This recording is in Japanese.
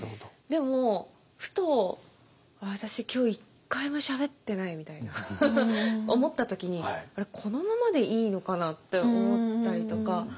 でもふと私今日一回もしゃべってないみたいな思った時にあれこのままでいいのかなって思ったりとか。